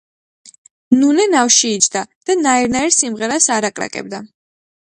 ნუნე ნავში იჯდა და ნაირ-ნაირ სიმღერას არაკრაკებდა.